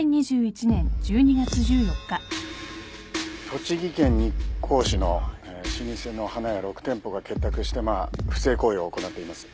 栃木県日光市の老舗の花屋６店舗が結託して不正行為を行っています。